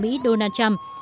mỹ donald trump